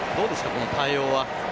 この対応は。